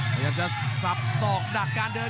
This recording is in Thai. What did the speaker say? พยายามจะสับสอกดักการเดิน